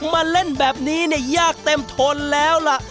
มาเล่นแบบนี้เนี่ยยากเต็มทนแล้วล่ะ